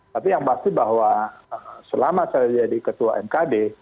tapi yang pasti bahwa selama saya jadi ketua mkd